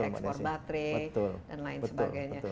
ekspor baterai dan lain sebagainya